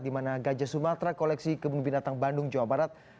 di mana gajah sumatera koleksi kebun binatang bandung jawa barat